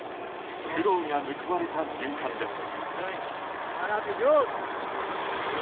苦労が報われた瞬間です。